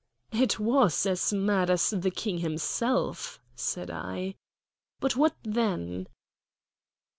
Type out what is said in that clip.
"It was as mad as the King himself," said I. "But what then?"